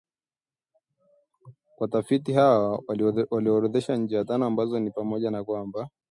Watafiti hawa waliorodhesha njia tano ambazo ni pamoja na kwamba;